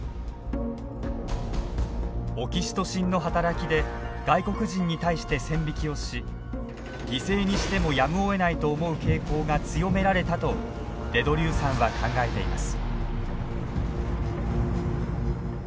オキシトシンの働きで外国人に対して線引きをし犠牲にしてもやむをえないと思う傾向が強められたとデ・ドリューさんは考えています。